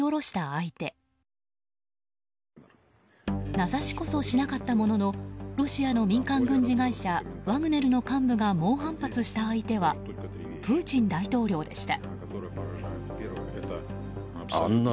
名指しこそしなかったもののロシアの民間軍事会社ワグネルの幹部が猛反発した相手はプーチン大統領でした。